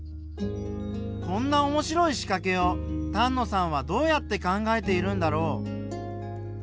こんな面白いしかけを丹野さんはどうやって考えているんだろう？